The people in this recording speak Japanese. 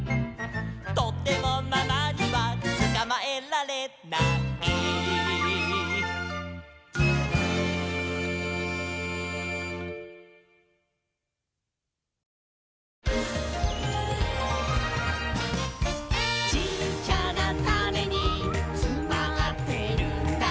「とてもママにはつかまえられない」「ちっちゃなタネにつまってるんだ」